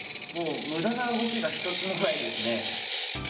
もう無駄な動きが一つもないですね。